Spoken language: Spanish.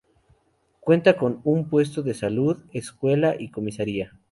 Cuenta con un puesto de salud, escuela y comisaría.